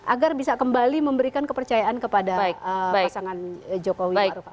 agar bisa kembali memberikan kepercayaan kepada pasangan jokowi maruf